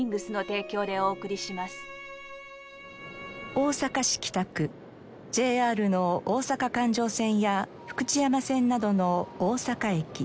大阪市北区ＪＲの大阪環状線や福知山線などの大阪駅。